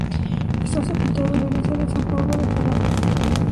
Está sepultado en la iglesia de San Paolo de Ferrara.